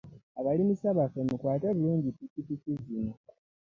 Abalimisa baffe mukwate bulungi ppikipiki zino.